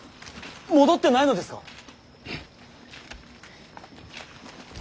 戻ってないのですか！